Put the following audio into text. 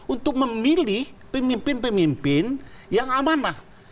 untuk memilih pemimpin pemimpin yang amanah